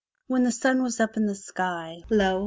'* When the sun was well up in the sky, lo!